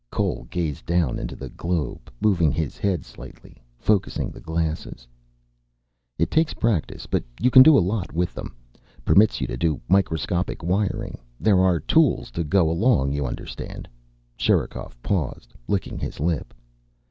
Cole gazed down into the globe, moving his head slightly, focussing the glasses. "It takes practice. But you can do a lot with them. Permits you to do microscopic wiring. There are tools to go along, you understand." Sherikov paused, licking his lip.